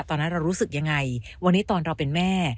ตอนนั้นเรารู้สึกยังไงวันนี้ตอนเราเป็นแม่